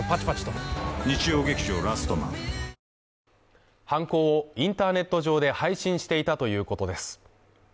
ニトリ犯行をインターネット上で配信していたということです。